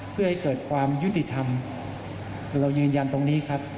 เพื่อให้เกิดความยุติธรรมเรายืนยันตรงนี้ครับ